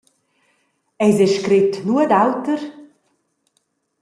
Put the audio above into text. Eis ei scret nuot auter?